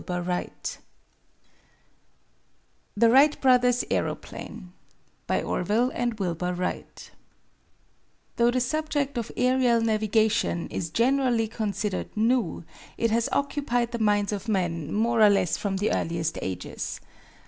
DAYTON OHIO The Wright Brothers' Aeroplane By Orville and Wilbur Wright Though the subject of aerial navigation is generally considered new, it has occupied the minds of men more or less from the earliest ages.